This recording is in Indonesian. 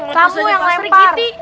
kamu yang lempar